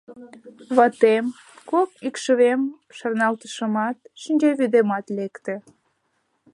Ватем, кок икшывем шарналтышымат, шинчавӱдемат лекте.